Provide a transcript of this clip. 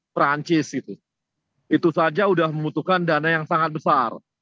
perancis itu itu saja sudah membutuhkan dana yang sangat besar